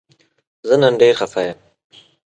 زه نن ډیر خفه یم